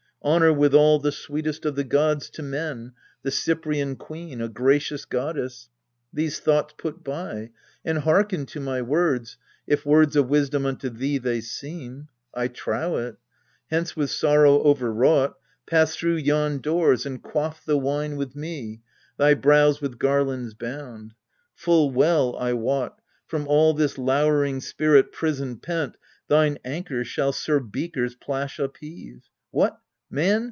Honour withal the sweetest of the gods To men, the Cyprian queen a gracious goddess ! These thoughts put by, and hearken to my words, If words of wisdom unto thee they seem. I trow it. Hence with sorrow overwrought ; Pass through yon doors and quaff the wine with me, Thy brows with garlands bound. Full well I wot, From all this lowering spirit prison pent Thine anchor shall Sir Beaker's plash upheave. What, man